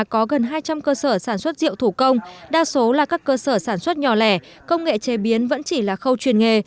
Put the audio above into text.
có gần hai trăm linh cơ sở sản xuất rượu thủ công đa số là các cơ sở sản xuất nhỏ lẻ công nghệ chế biến vẫn chỉ là khâu truyền nghề